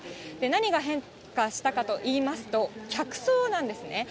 何が変化したかといいますと、客層なんですね。